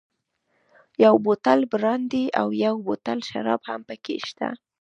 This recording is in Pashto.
یو بوتل برانډي او یو بوتل شراب هم پکې شته.